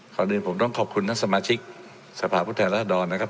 ขอลืมผมต้องขอบคุณท่านสมาชิกสภาพุทธแหละรัฐดอนนะครับ